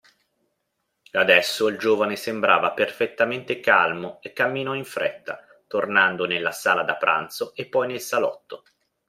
Adesso, il giovane sembrava perfettamente calmo e camminò in fretta, tornando nella sala da pranzo e poi nel salotto.